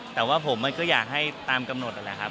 แต่ว่าผมมันก็อยากให้ตามกำหนดนั่นแหละครับ